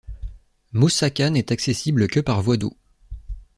Mossaka n'est accessible que par voie d'eau.